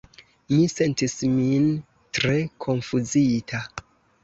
Mi sentis min tre konfuzita.